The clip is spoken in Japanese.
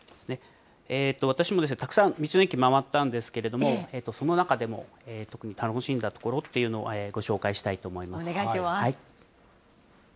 私もたくさん道の駅回ったんですけれども、その中でも特に楽しんだところというのをご紹介したいと思います。